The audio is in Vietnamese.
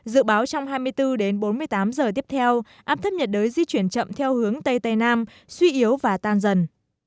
dự báo trong hai mươi bốn đến bốn mươi tám giờ tiếp theo áp thấp nhiệt đới di chuyển chậm theo hướng tây tây nam suy yếu và tan dần